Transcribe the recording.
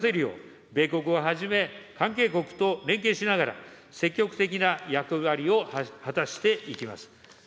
意義ある成果を出せるよう、米国をはじめ、関係国と連携しながら、積極的な役割を果たしていきます。